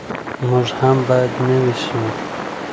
موږ هم باید نوي سو.